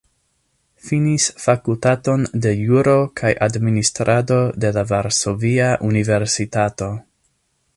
Finis Fakultaton de Juro kaj Administrado de la Varsovia Universitato.